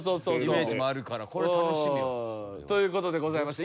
イメージもあるからこれ楽しみよ。という事でございます。